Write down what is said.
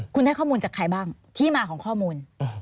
คุณได้ข้อมูลจากใครบ้างที่มาของข้อมูล